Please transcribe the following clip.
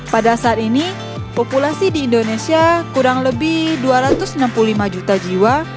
pada saat ini populasi di indonesia kurang lebih dua ratus enam puluh lima juta jiwa dan separuhnya pengguna internet aktif sekitar satu ratus tiga puluh dua juta jiwa